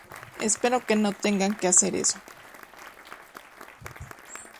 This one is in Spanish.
Espero que no tenga que hacer eso.